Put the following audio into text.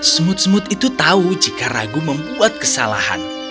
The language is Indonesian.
semut semut itu tahu jika ragu membuat kesalahan